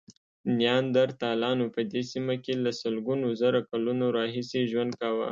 نیاندرتالانو په دې سیمه کې له سلګونو زره کلونو راهیسې ژوند کاوه.